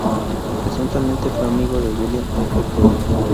Presuntamente fue amigo de William F. Cody.